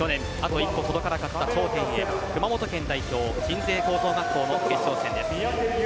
一歩届かなかった頂点へ熊本県代表鎮西高等学校の決勝戦です。